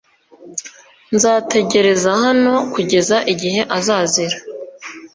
nzategereza hano kugeza igihe azazira